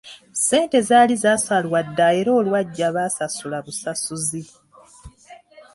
Ssente zaali zasalwa dda era olwajja baasasula busasuzi.